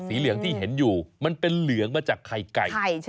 เหลืองที่เห็นอยู่มันเป็นเหลืองมาจากไข่ไก่